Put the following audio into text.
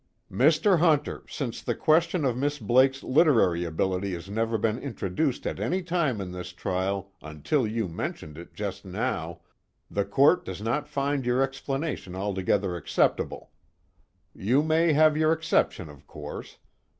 "Mr. Hunter, since the question of Miss Blake's literary ability has never been introduced at any time in this trial until you mentioned it just now, the Court does not find your explanation altogether acceptable. You may have your exception of course.